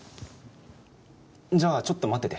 じゃあ、ちょっと待ってて。